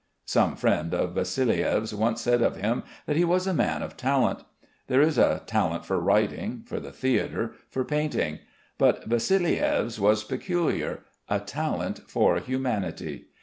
Some friend of Vassiliev's once said of him that he was a man of talent. There is a talent for writing, for the theatre, for painting; but Vassiliev's was peculiar, a talent for humanity.